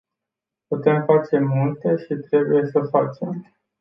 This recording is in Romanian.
Putem face multe și trebuie să facem.